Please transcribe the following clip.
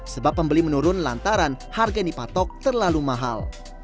sebab pembeli menurun lantaran harga yang dipatok terlalu mahal